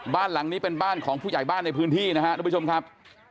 บ้านหลังนี้เป็นบ้านของผู้ใหญ่บ้านในพื้นที่นะครับทุกผู้ชมครับ